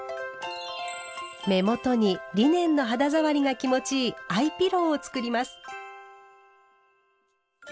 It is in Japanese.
目元にリネンの肌触りが気持ちいい「アイピロー」を作ります。